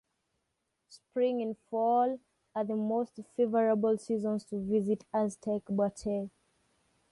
Spring and fall are the most favorable seasons to visit Aztec Butte.